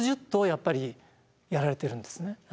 やっぱりやられてるんですね。